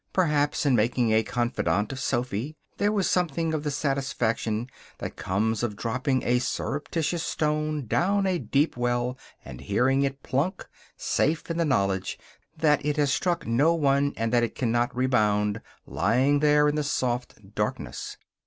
Perhaps, in making a confidante of Sophy, there was something of the satisfaction that comes of dropping a surreptitious stone down a deep well and hearing it plunk, safe in the knowledge that it has struck no one and that it cannot rebound, lying there in the soft darkness.